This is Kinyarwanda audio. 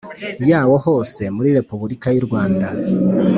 Yawo hose muri repubulika y u rwanda